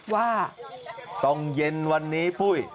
ว่าต้องเย็นวันนี้ปุ้ย